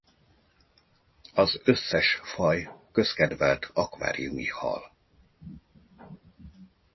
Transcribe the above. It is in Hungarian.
Az összes faj közkedvelt akváriumi hal.